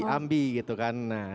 ambi gitu kan